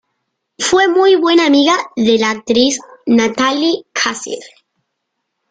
Fue muy buena amiga de la actriz Natalie Cassidy.